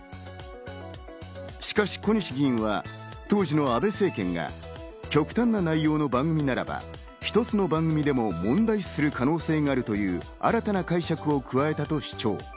しかし小西議員は、当時の安倍政権が極端な内容の番組ならば、一つの番組でも問題視する可能性があるという新たな解釈を加えたと主張。